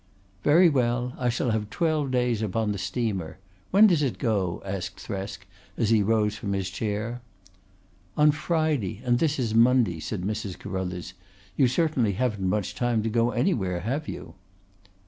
"Very well. I shall have twelve days upon the steamer. When does it go?" asked Thresk as he rose from his chair. "On Friday, and this is Monday," said Mrs. Carruthers. "You certainly haven't much time to go anywhere, have you?"